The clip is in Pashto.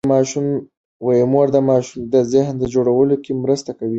مور د ماشوم ذهن جوړولو کې مرسته کوي.